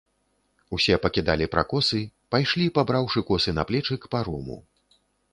Усе пакідалі пракосы, пайшлі, пабраўшы косы на плечы, к парому.